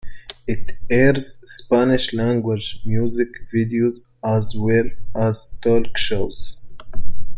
It airs Spanish language music videos as well as Talk Shows.